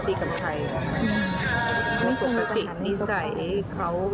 ไม่นะเขาท่านตาข่าวได้ซ้ำไปไม่เคยมีประวัติทีกับใครมาก่อน